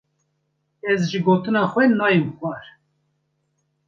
Ez ji gotina xwe nayêm xwar.